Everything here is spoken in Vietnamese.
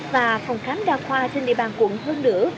và phòng khám đa khoa trên địa bàn quận hơn nữa